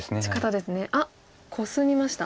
あっコスみました。